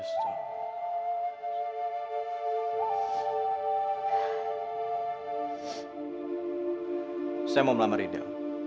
saya mau melamar rida